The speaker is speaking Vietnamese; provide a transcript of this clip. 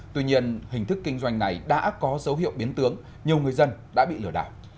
tuy nhiên hình thức kinh doanh này đã có dấu hiệu biến tướng nhiều người dân đã bị lừa đảo